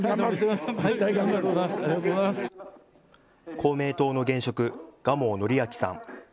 公明党の現職、蒲生徳明さん。